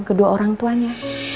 kedua orang tuanya